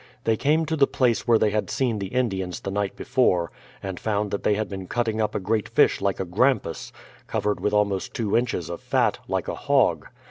They came to the place where they had seen the Indians the night before and found they had been cutting up a great fish like a grampus, covered with almost two inches of fat, like a hog.